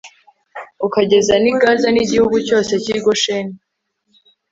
ukageza n i Gaza n igihugu cyose cy i Gosheni